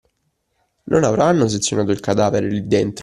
Non avranno sezionato il cadavere lì dentro!